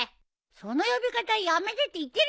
その呼び方やめてって言ってるでしょ！